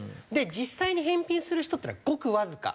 実際に返品する人っていうのはごくわずか。